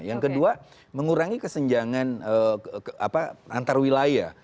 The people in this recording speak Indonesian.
yang kedua mengurangi kesenjangan antarwilaya